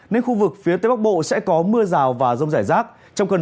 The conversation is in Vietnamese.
nên khu vực phía tây bắc bộ sẽ có mưa rào và rông rải rác